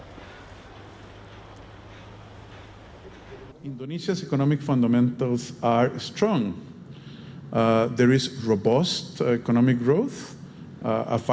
kepala perwakilan bank dunia di indonesia mengatakan pihaknya merilis laporan